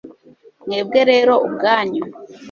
mwebwe rero ubwanyu